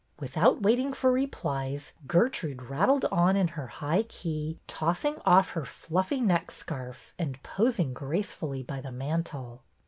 " Without waiting for replies, Gertrude rattled on in her high key, tossing off her fluffy neck scarf, and posing gracefully by the mantel.